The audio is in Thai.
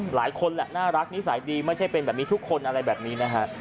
หลายคนแหละน่ารักนิสัยดีไม่ใช่เป็นแบบนี้ทุกคนอะไรแบบนี้นะฮะ